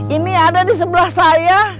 ini ada di sebelah saya